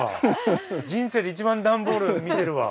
人生で一番段ボール見てるわ。